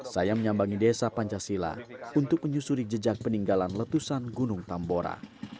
saya menyambangi desa pancasila untuk menyusuri jejak peninggalan letusan gunung tambora